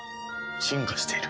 進化している。